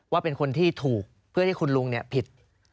ว่าเป็นคนที่ถูกเพื่อที่คุณลุงผิด